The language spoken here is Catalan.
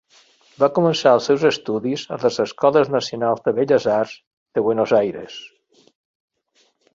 Va començar els seus estudis a les Escoles Nacionals de Belles arts de Buenos Aires.